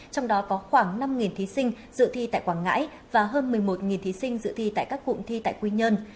trong đó có khoảng năm thí sinh dự thi tại quảng ngãi và hơn một mươi một thí sinh dự thi tại các cụm thi tại quy nhơn